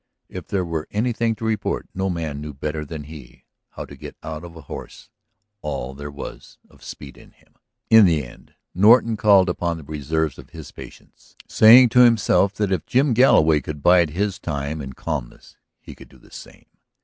If there were anything to report no man knew better than he how to get out of a horse all there was of speed in him. In the end Norton called upon the reserves of his patience, saying to himself that if Jim Galloway could bide his time in calmness he could do the same.